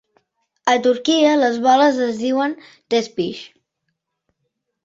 A Turquia, les boles es diuen "tespish".